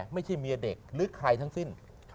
ไม่ใช่เมียเด็กหรือใครทั้งสิ้น